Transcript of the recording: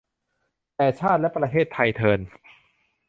แต่ชาติและประเทศไทยเทอญ